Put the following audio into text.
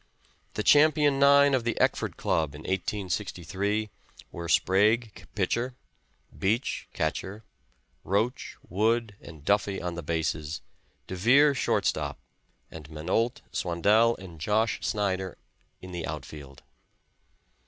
The champion nine of the Eckford Club in 1863 were Sprague, pitcher; Beach, catcher; Roach, Wood and Duffy on the bases; Devyr, shortstop; and Manolt, Swandell and Josh Snyder in the outfield.